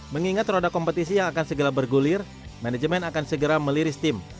mengingat roda kompetisi yang akan segera bergulir manajemen akan segera meliris tim